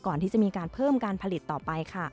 ก่อนที่จะมีการเพิ่มการผลิตต่อไปค่ะ